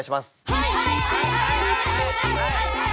はい。